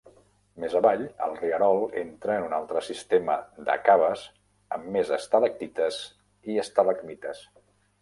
Més avall, el rierol entra en un altre sistema de caves amb més estalactites i estalagmites.